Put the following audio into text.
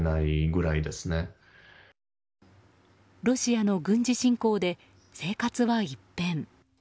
ロシア軍の軍事侵攻で生活は一変。